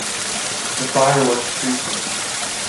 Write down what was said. The fire was decreasing.